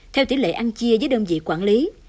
theo tỷ lệ ăn chia với đơn vị quản lý